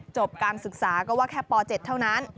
จบการศึกษาก็ว่าแค่ป๗เท่านั้น